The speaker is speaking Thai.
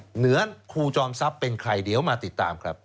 เหมือนครูจอมทรัพย์เป็นใครเดี๋ยวมาติดตามครับ